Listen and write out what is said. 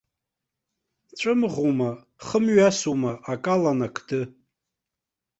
Ҵәымӷума, хымҩасума, акы алан ақды.